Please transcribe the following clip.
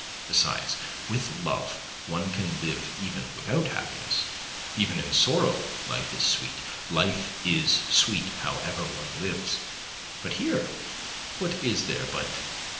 Besides, with love one can live even without happiness. Even in sorrow life is sweet; life is sweet, however one lives. But here what is there but